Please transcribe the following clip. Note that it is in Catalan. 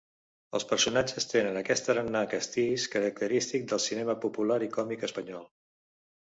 Els personatges tenen aquest tarannà castís característic del cinema popular i còmic espanyol.